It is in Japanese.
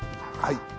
はい。